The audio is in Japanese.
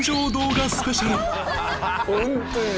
ホントにね